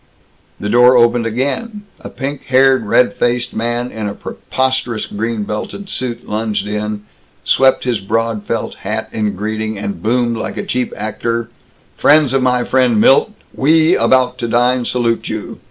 The door opened again. A pink haired, red faced man in a preposterous green belted suit lunged in, swept his broad felt hat in greeting, and boomed like a cheap actor: "Friends of my friend Milt, we about to dine salute you.